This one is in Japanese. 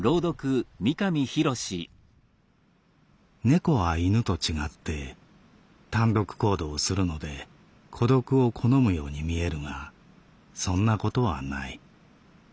「猫は犬と違って単独行動をするので孤独を好むように見えるがそんなことはない。